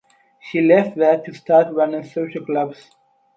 She left that to start running social clubs.